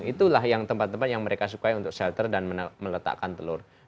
itulah yang tempat tempat yang mereka sukai untuk shelter dan meletakkan telur